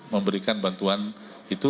memberikan bantuan itu